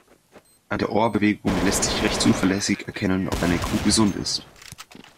An der Ohrbewegung lässt sich recht zuverlässig erkennen, ob eine Kuh gesund ist.